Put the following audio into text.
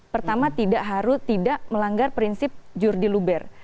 pertama tidak melanggar prinsip jurdi luber